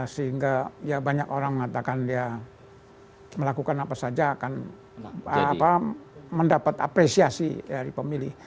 sehingga ya banyak orang mengatakan dia melakukan apa saja akan mendapat apresiasi dari pemilih